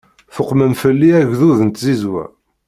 Tuqmem fell-i agdud n tzizwa.